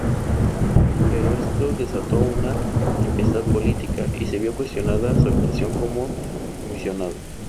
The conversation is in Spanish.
Pero esto desató una tempestad política y se vio cuestionada su actuación como comisionado.